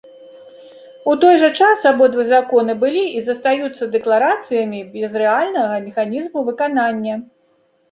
У той жа час абодва законы былі і застаюцца дэкларацыямі без рэальнага механізму выканання.